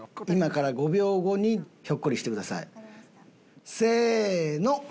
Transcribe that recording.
今から５秒後にひょっこりしてください。せーの。